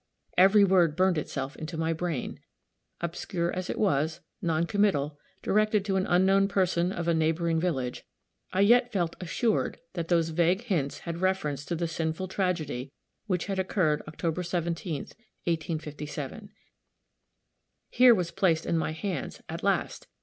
Every word burned itself into my brain. Obscure as it was non committal directed to an unknown person of a neighboring village I yet felt assured that those vague hints had reference to the sinful tragedy which had occurred October 17th, 1857. Here was placed in my hands at last!